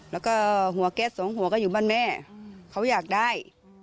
แล้วก็หัวแก๊สสองหัวก็อยู่บ้านแม่เขาอยากได้